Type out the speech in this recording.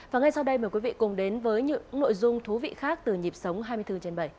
và ngay sau đây mời quý vị cùng đến với những nội dung thú vị khác từ nhịp sống hai mươi bốn trên bảy